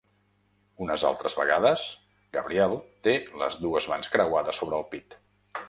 Unes altres vegades Gabriel té les dues mans creuades sobre el pit.